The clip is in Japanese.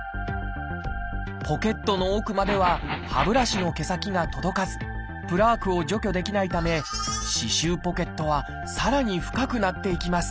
ポケットの奥までは歯ブラシの毛先が届かずプラークを除去できないため歯周ポケットはさらに深くなっていきます。